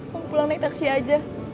mau pulang naik taksi aja